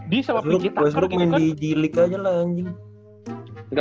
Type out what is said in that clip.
wessdruck main di delink aja lah anjing